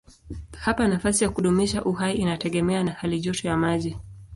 Hapa nafasi ya kudumisha uhai inategemea na halijoto ya maji.